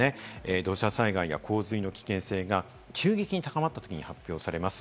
土砂災害や洪水の危険性が急激に高まったときに発表されます。